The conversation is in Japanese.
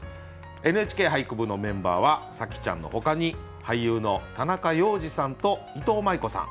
「ＮＨＫ俳句部」のメンバーは紗季ちゃんのほかに俳優の田中要次さんといとうまい子さん。